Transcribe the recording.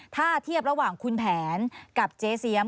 ถ้าเทียบระหว่างคุณแผนกับเจ๊เสียม